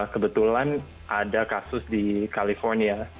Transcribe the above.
kebetulan ada kasus di california